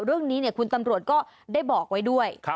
เรื่องนี้คุณตำรวจก็ได้บอกไว้ด้วย